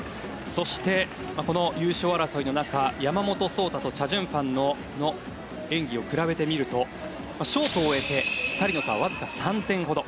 そして優勝争いの中山本草太とチャ・ジュンファンの演技を比べてみるとショートを終えて２人の差はわずか３点ほど。